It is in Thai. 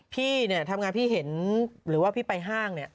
พี่ทำงานพี่เห็นหรือว่าพี่ไปห้าง